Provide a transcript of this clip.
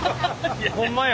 ホンマや。